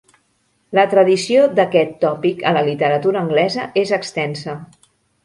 La tradició d’aquest tòpic a la literatura anglesa és extensa.